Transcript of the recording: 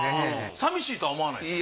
寂しいとは思わないですか？